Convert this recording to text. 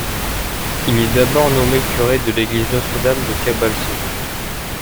Il est d'abord nommé curé de l'église Notre-Dame de Cabalsaut.